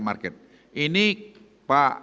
market ini pak